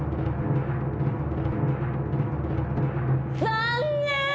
残念！